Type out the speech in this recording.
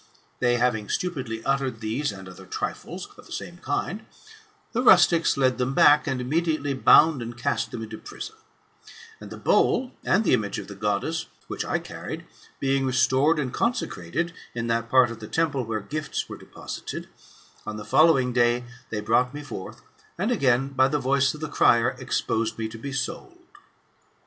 They having stupidly uttered these and other trifles, of the same kind, the rustics led them back, and immediately bound and cast them into prison ; and the howl, and the image of the Goddess, which I carried, being restored and consecrated in 143 THE METAMORPHOSIS, OR that part of the building where gifts were deposited, on the following day they brought me forth, and again, by the voice of the crier, exposed me to be sold.